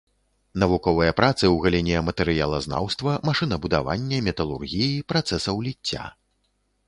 Навуковыя працы ў галіне матэрыялазнаўства, машынабудавання, металургіі, працэсаў ліцця.